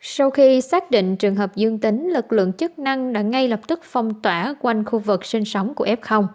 sau khi xác định trường hợp dương tính lực lượng chức năng đã ngay lập tức phong tỏa quanh khu vực sinh sống của f